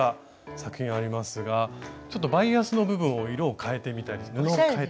作品ありますがちょっとバイアスの部分を色を変えてみたり布を変えて。